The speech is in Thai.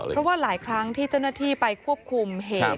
เพราะว่าหลายครั้งที่เจ้าหน้าที่ไปควบคุมเหตุ